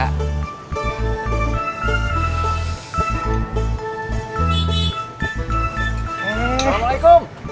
hai ini kan sangat